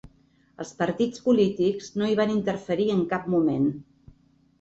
Els partits polítics no hi van interferir en cap moment.